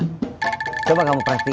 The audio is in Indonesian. kamu beradelahkan juga dengan kakakmu